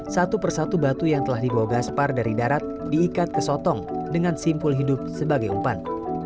satu persatu batu yang telah dibawa gaspar dari darat diikat ke sotong dengan simpul hidup sebagai umpan